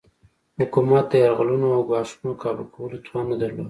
حکومت د یرغلونو او ګواښونو کابو کولو توان نه درلود.